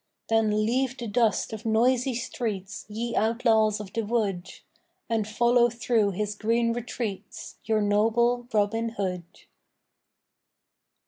Then leave the dust of noisy streets, Ye outlaws of the wood, And follow through his green retreats Your noble Robin Hood.